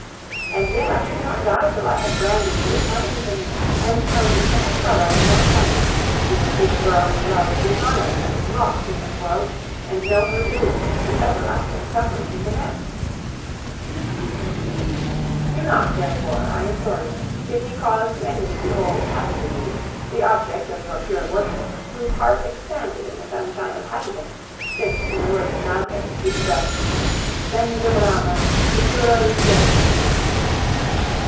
And yet I should not die till I had branded you with infamy, and sown eternal sorrow in your heart; you would see the girl you loved dishonored and lost in this world, and know her doomed to everlasting suffering in the next. Do not therefore, I implore you, give me cause to envy the old, happy Louise, the object of your pure worship, whose heart expanded in the sunshine of happiness, since, in the words of Dante, she possessed, Senza brama, sicura ricchezza!